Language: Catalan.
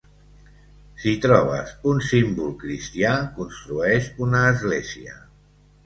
Si trobes un símbol cristià, construeix una església.